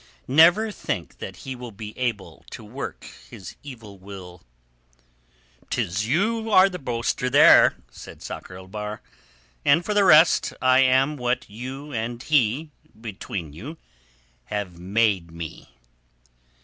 Never think that he will be able to work his evil will." "'Tis you are the boaster there," said Sakr el Bahr. "And for the rest, I am what you and he, between you, have made me."